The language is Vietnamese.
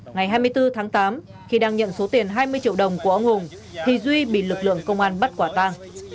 ngày hai mươi bốn tháng tám khi đang nhận số tiền hai mươi triệu đồng của ông hùng thì duy bị lực lượng công an bắt quả tang